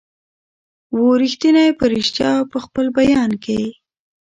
وو ریښتونی په ریشتیا په خپل بیان کي